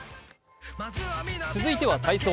続いては体操。